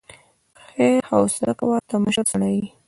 خير حوصله کوه، ته مشر سړی يې.